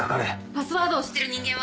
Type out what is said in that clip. パスワードを知ってる人間は？